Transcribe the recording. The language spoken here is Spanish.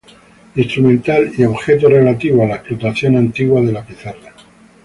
Instrumental y objetos relativos a la explotación antigua de la pizarra.